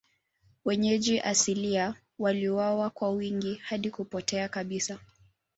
Wenyeji asilia waliuawa kwa wingi hadi kupotea kabisa.